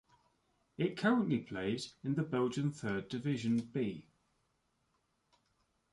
It currently plays in the Belgian Third Division B.